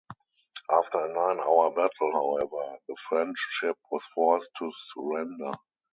After a nine-hour battle, however, the French ship was forced to surrender.